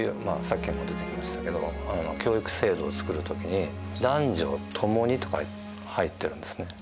さっきも出てきましたけど教育制度を作る時に「男女共に」と入ってるんですね。